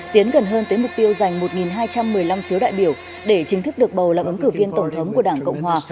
tiến gần hơn tới mục tiêu giành một hai trăm một mươi năm phiếu đại biểu để chính thức được bầu làm ứng cử viên tổng thống của đảng cộng hòa